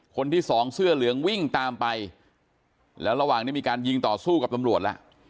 คนที่สองเสื้อเหลืองวิ่งตามไปแล้วระหว่างนี้มีการยิงต่อสู้กับตำรวจล่ะ